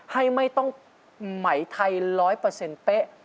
ให้ไม่ต้องไหมไทยร้อยเปอร์เซ็นต์เป๊ะ